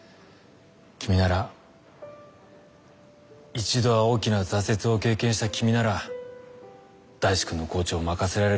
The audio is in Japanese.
君なら一度は大きな挫折を経験した君なら大志くんのコーチを任せられると思ったから。